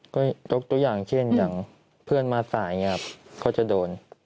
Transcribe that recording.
ก็ยกตัวอย่างเช่นอย่างเพื่อนมาสายอย่างนี้ครับเขาจะโดน